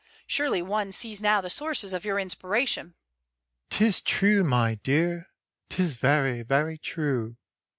"Surely one sees now the sources of your inspiration." "'Tis true my dear. 'Tis very, very true.